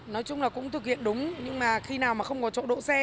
nói chung là cũng thực hiện đúng nhưng mà khi nào mà không có chỗ đỗ xe